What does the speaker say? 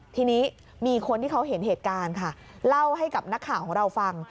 ทีนี้มีคนที่เขาเห็นเหตุการณ์ค่ะเล่าให้กับนักข่าวของเราฟัง